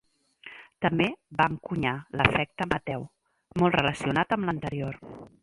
També va encunyar l'efecte Mateu, molt relacionat amb l'anterior.